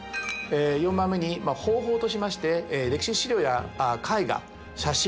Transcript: ４番目に方法としまして歴史資料や絵画写真